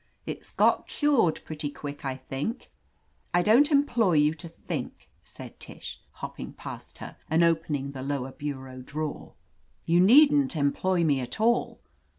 "It's got cured pretty quick, I think." "I don't employ you to think," said Tish, hopping past her and opening the lower bu reau drawer. "You needn't employ me at all."